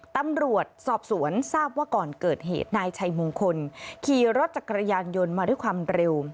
ตำรวจสอบสวนทราบว่าก่อนเกิดเหตุนายชัยมงคลขี่รถจักรยานยนต์มาด้วยความเร็ว